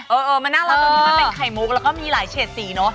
เออมันน่ารักตรงนี้มันเป็นไข่มุกแล้วก็มีหลายเฉดสีเนอะ